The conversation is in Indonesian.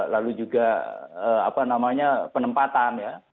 lalu juga penempatan ya